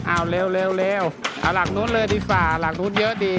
เอาเร็วเอาหลักนู้นเลยดีกว่าหลักนู้นเยอะดี